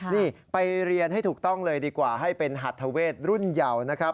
นวดพี่ต้องเลยดีกว่าให้เป็นหัฐเวชรุ่นเยานะครับ